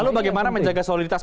lalu bagaimana menjaga soliditas